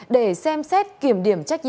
để xem xét kiểm định